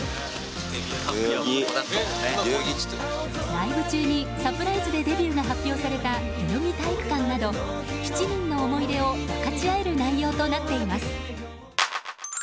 ライブ中にサプライズでデビューが発表された代々木体育館など７人の思い出を分かち合える内容となっています。